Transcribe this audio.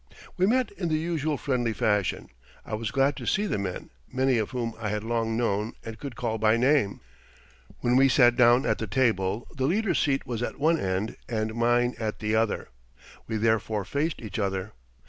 We met in the usual friendly fashion. I was glad to see the men, many of whom I had long known and could call by name. When we sat down at the table the leader's seat was at one end and mine at the other. We therefore faced each other.